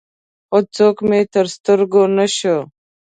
خو څوک مې تر سترګو نه شو.